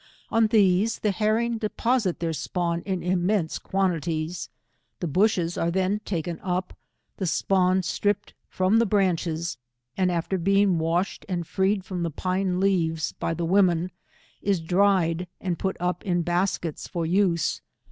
On these the herring deposit their spawn in im* niense quantities ; the bushes are then taken up, the spawn stripped from the branches, and after being washed and freed from the pine leaves by the women, is dried and put up in baskets for use.